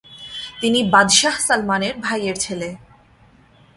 তিনি বাদশাহ সালমানের ভাইয়ের ছেলে।